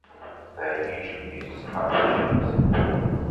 They are usually used as cargo ships.